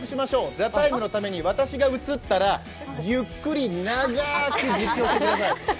「ＴＨＥＴＩＭＥ，」のために私が映ったら、ゆっくり長く実況してください。